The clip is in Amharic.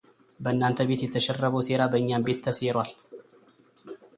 በእናንተ ቤት የተሸረበው ሴራ በእኛም ቤት ተሴሯል፡፡